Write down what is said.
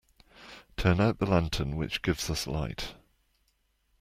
Turn out the lantern which gives us light.